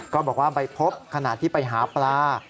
บอกว่าไปพบขณะที่ไปหาปลา